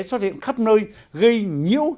xuất hiện khắp nơi gây nhiễu